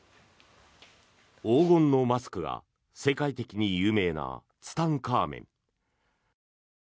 黄金のマスクが世界的に有名なツタンカーメン。